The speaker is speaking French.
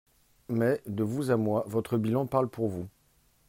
Mais, de vous à moi, votre bilan parle pour vous.